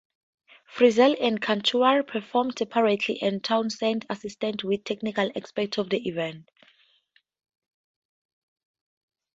Frisell and Cantuaria performed separately, and Townsend assisted with technical aspects of the event.